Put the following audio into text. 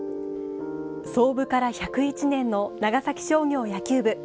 創部から１０１年の長崎商業野球部。